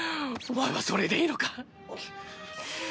お前はそれでいいのか？